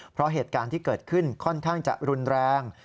เพราะเหตุการณ์ที่เกิดขึ้นค่อนข้างจะรุนแรง